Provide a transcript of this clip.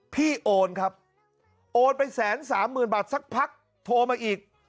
พี่โอนครับโอนไป๑๓๐๐๐๐บาทสักพักโทรมาอีก